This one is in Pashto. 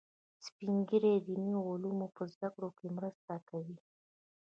سپین ږیری د دیني علومو په زده کړه کې مرسته کوي